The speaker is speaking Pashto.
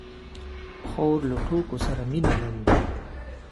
خور له ټوکو سره مینه لري.